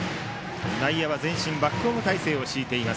内野は前進バックホーム態勢を敷いています。